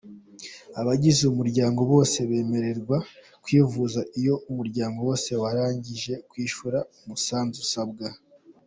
Abagize umuryango bose bemererwa kwivuza iyo umuryango wose warangije kwishyura umusanzu usabwa.